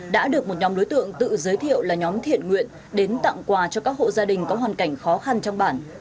đã được một nhóm đối tượng tự giới thiệu là nhóm thiện nguyện đến tặng quà cho các hộ gia đình có hoàn cảnh khó khăn trong bản